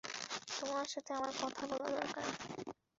তোমার সাথে আমার কথা বলা দরকার।